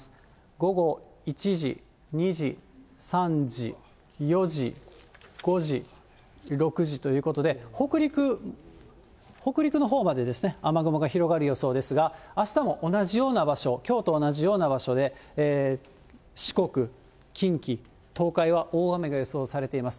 午後１時、２時、３時、４時、５時、６時ということで、北陸のほうまで雨雲が広がる予想ですが、あしたも同じような場所、きょうと同じような場所で、四国、近畿、東海は大雨が予想されています。